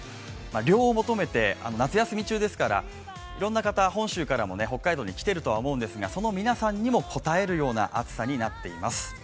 涼を求めて夏休み中ですから、いろいろな方、本州の方が北海道に来ていると思うんですが、その皆さんにもこたえるような暑さになっています。